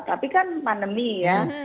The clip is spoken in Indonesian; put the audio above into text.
tapi kan pandemi ya